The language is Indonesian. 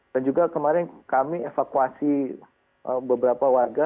dan juga kemarin kami evakuasi beberapa warga